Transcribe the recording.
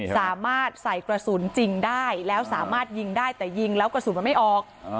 สามารถใส่กระสุนจริงได้แล้วสามารถยิงได้แต่ยิงแล้วกระสุนมันไม่ออก